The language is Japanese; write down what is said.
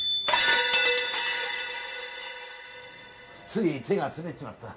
つい手が滑っちまった。